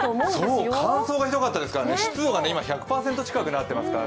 乾燥がひどかったですから、湿度が今、１００％近くなっていますから。